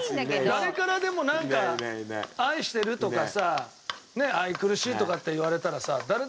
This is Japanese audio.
誰からでもなんか愛してるとかさ愛くるしいとかって言われたらさ。